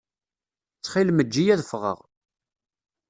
Ttxil-m eǧǧ-iyi ad ffɣeɣ.